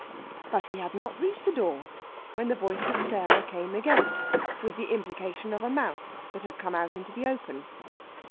But he had not reached the door when the voice of Sarah came again, with the implication of a mouth that had come out into the open.